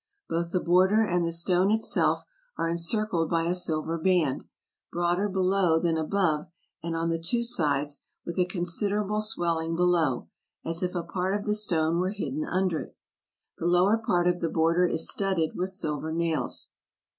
Both the border and the stone itself are encircled by a silver band, broader below than above and on the two sides, with a considerable swelling below, as if a part of the stone were hidden under it. The lower part of the border is studded with silver nails.